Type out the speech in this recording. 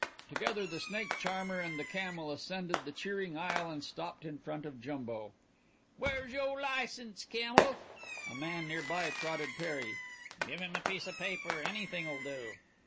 Together the snake charmer and the camel ascended the cheering aisle and stopped in front of Jumbo. "Where's yo license, camel?" A man near by prodded Perry. "Give him a piece of paper. Anything'll do."